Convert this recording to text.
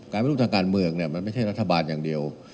ไม่รู้ทางการเมืองมันไม่ใช่รัฐบาลอย่างเดียว